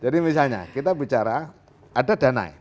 jadi misalnya kita bicara ada dana